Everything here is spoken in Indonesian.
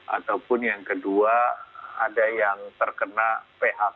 ataupun yang kedua ada yang terkena phk